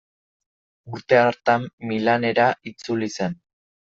Urte hartan Milanera itzuli zen.